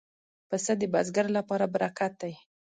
پسه د بزګر لپاره برکت دی.